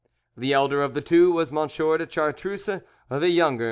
The elder of the two was M. de Chartruse, the younger M.